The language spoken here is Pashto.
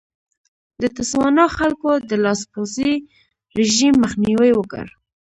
د تسوانا خلکو د لاسپوڅي رژیم مخنیوی وکړ.